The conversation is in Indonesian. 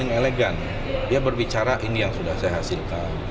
ini yang sudah saya hasilkan